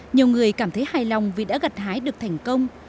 nhiều người cảm thấy hài lòng vì đã gặt hái được thành công